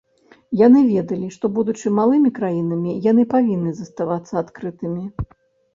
Яны ведалі, што, будучы малымі краінамі, яны павінны заставацца адкрытымі.